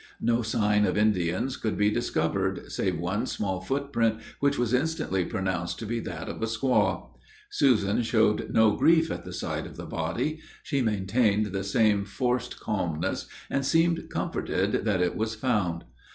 No sign of Indians could be discovered, save one small footprint, which was instantly pronounced to be that of a squaw. Susan showed no grief at the sight of the body: she maintained the same forced calmness, and seemed comforted that it was found.